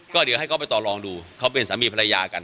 ก็เดี๋ยวให้เขาไปต่อลองดูเขาเป็นสามีภรรยากัน